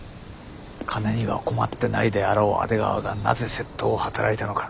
金には困ってないであろう阿出川がなぜ窃盗を働いたのか。